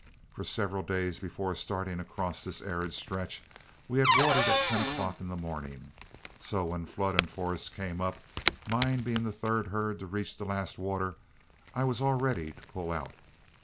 For several days before starting across this arid stretch, we had watered at ten o'clock in the morning, so when Flood and Forrest came up, mine being the third herd to reach the last water, I was all ready to pull out.